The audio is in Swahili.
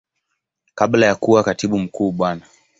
Kabla ya kuwa Katibu Mkuu Bwana.